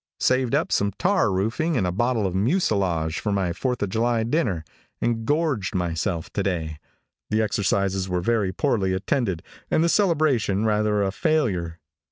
Saved up some tar roofing and a bottle of mucilage for my Fourth of July dinner, and gorged myself to day. The exercises were very poorly attended and the celebration rather a failure.